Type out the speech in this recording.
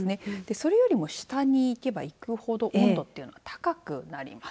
それよりも下に行けば行くほど温度というのは高くなります。